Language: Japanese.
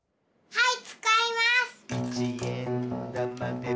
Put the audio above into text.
はい。